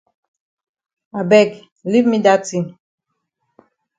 I beg leave me dat tin.